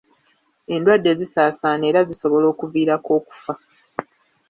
Endwadde zisaasaana era zisobola okuviirako okufa.